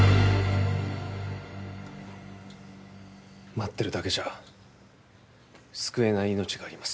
待ってるだけじゃ救えない命があります